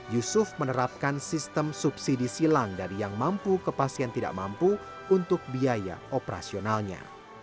yusuf menerapkan sistem subsidi silang dari yang mampu ke pasien tidak mampu untuk biaya operasionalnya